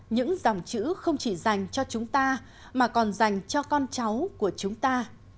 những dòng chữ không chỉ dành cho chúng ta mà còn dành cho con cháu của chúng ta